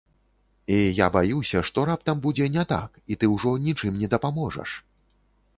І я баюся, што раптам будзе не так, і ты ўжо нічым не дапаможаш.